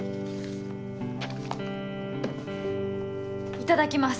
いただきます。